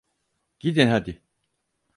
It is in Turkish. Gidin haydi.